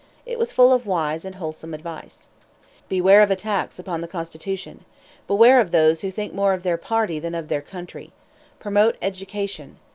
It was full of wise and wholesome advice. "Beware of attacks upon the Constitution. Beware of those who think more of their party than of their country. Promote education.